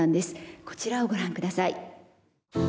こちらをご覧下さい。